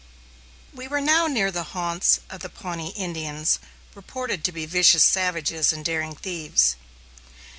We were now near the haunts of the Pawnee Indians, reported to be "vicious savages and daring thieves."